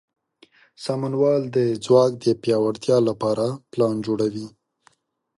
سمونوال د ځواک د پیاوړتیا لپاره پلان جوړوي.